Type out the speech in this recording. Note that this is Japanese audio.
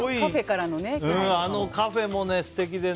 あのカフェも素敵でね。